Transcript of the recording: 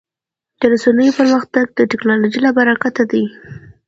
د رسنیو پرمختګ د ټکنالوژۍ له برکته دی.